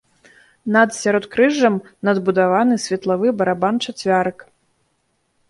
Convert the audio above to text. Над сяродкрыжжам надбудаваны светлавы барабан-чацвярык.